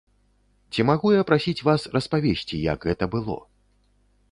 Ці магу я прасіць вас распавесці, як гэта было?